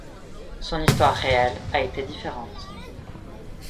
Son histoire réelle a été différente.